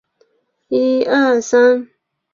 全部都发表在小学馆所发行的杂志。